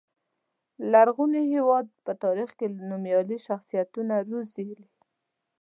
لرغوني هېواد په تاریخ کې نومیالي شخصیتونه روزلي.